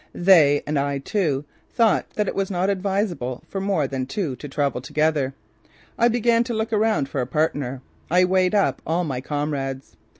They, and I too, thought that it was not advisable for more than two to travel together. I began to look around for a partner. I "weighed up" all my comrades.